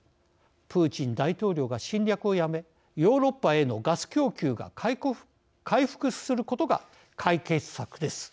プーチン大統領が侵略をやめヨーロッパへのガス供給が回復することが解決策です。